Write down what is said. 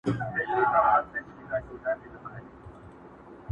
هره لوېشت یې پسرلی کې هر انګړ یې ګلستان کې؛